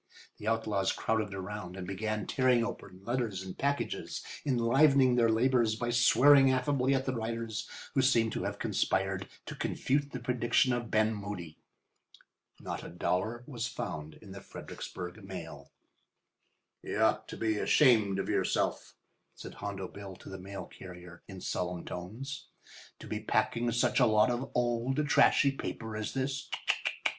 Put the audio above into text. The outlaws crowded around and began tearing open letters and packages, enlivening their labours by swearing affably at the writers, who seemed to have conspired to confute the prediction of Ben Moody. Not a dollar was found in the Fredericksburg mail. "You ought to be ashamed of yourself," said Hondo Bill to the mail carrier in solemn tones, "to be packing around such a lot of old, trashy paper as this.